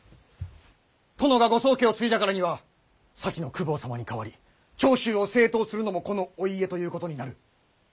殿がご宗家を継いだからには先の公方様に代わり長州を征討するのもこのお家ということになる。